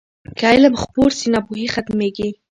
که علم خپور سي، ناپوهي ختمېږي.